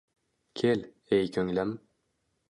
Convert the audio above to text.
Kel, ey ko’nglim